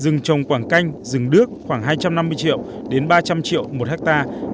rừng trồng quảng canh rừng đước khoảng hai trăm năm mươi triệu đến ba trăm linh triệu một hectare